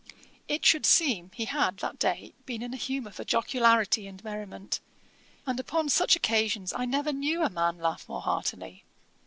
It should seem he had that day been in a humour for jocularity and merriment, and upon such occasions I never knew a man laugh more heartily.